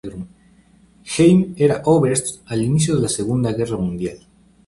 Heim era Oberst al inicio de la Segunda Guerra Mundial.